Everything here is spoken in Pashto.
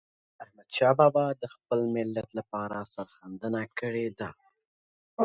احمدشاه بابا د خپل ملت لپاره سرښندنه کړې ده.